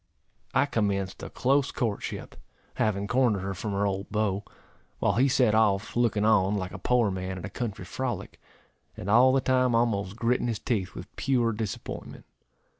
I commenced a close courtship, having cornered her from her old beau; while he set off, looking on, like a poor man at a country frolic, and all the time almost gritting his teeth with pure disappointment.